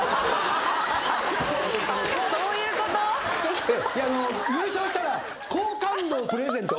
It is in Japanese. ・そういうこと⁉優勝したら好感度をプレゼント。